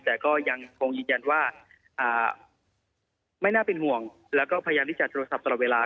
แต่ก็ยังคงยืนยันว่าไม่น่าเป็นห่วงแล้วก็พยายามที่จะโทรศัพท์ตลอดเวลา